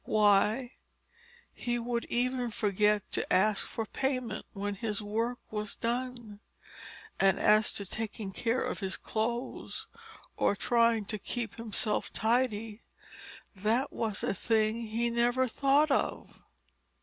Why, he would even forget to ask for payment when his work was done; and as to taking care of his clothes, or trying to keep himself tidy, that was a thing he never thought of!